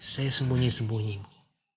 saya sembunyi sembunyi ibu